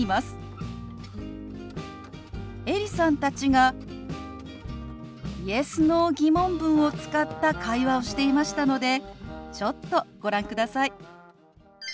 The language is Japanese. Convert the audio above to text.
エリさんたちがＹｅｓ／Ｎｏ−疑問文を使った会話をしていましたのでちょっとご覧ください。